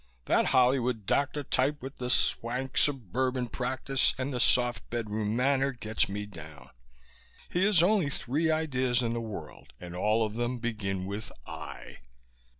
That Hollywood doctor type with the swank suburban practice and the soft bedroom manner gets me down. He has only three ideas in the world and all of them begin with 'I'.